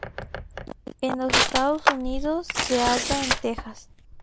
En los Estados Unidos, se halla en Texas.